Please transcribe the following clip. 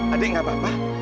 adik gak apa apa